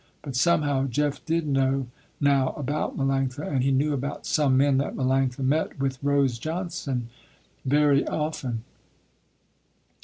But somehow Jeff did know now about Melanctha, and he knew about some men that Melanctha met with Rose Johnson very often.